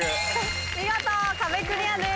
見事壁クリアです。